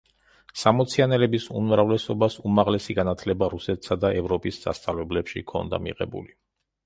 სამოციანელების უმრავლესობას უმაღლესი განათლება რუსეთსა და ევროპის სასწავლებლებში ჰქონდა მიღებული.